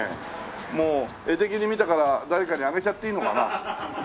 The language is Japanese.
もう絵的に見たから誰かにあげちゃっていいのかな。